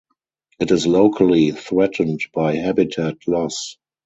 It is locally threatened by habitat loss.